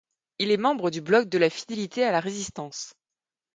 Il est membre du Bloc de la fidélité à la Résistance.